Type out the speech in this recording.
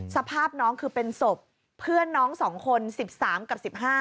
สภาพน้องคือเป็นศพเพื่อนน้อง๒คน๑๓กับ๑๕